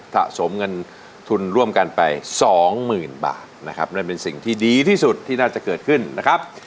สะสมเงินทุนร่วมกันไปสองหมื่นบาทนะครับนั่นเป็นสิ่งที่ดีที่สุดที่น่าจะเกิดขึ้นนะครับ